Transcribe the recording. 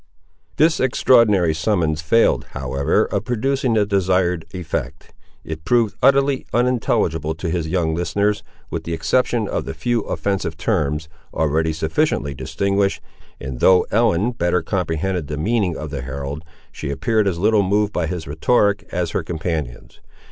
This extraordinary summons failed, however, of producing the desired effect. It proved utterly unintelligible to his younger listeners, with the exception of the few offensive terms, already sufficiently distinguished, and though Ellen better comprehended the meaning of the herald, she appeared as little moved by his rhetoric as her companions.